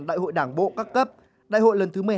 đại hội đảng bộ các cấp đại hội lần thứ một mươi hai